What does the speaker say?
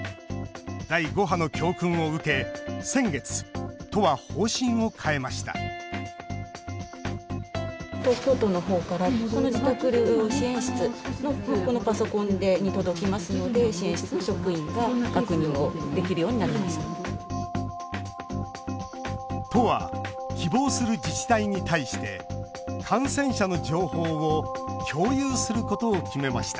第５波の教訓を受け先月、都は方針を変えました都は希望する自治体に対して感染者の情報を共有することを決めました。